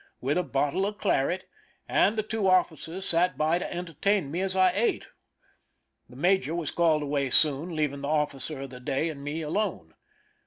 with a bottle of claret; and the two officers sat by to entertain me as I ate. The major was called away soon, leaving the officer of the day and me alone.